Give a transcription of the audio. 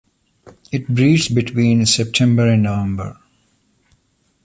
It breeds between September and November.